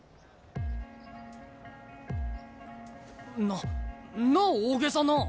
なんな大げさな。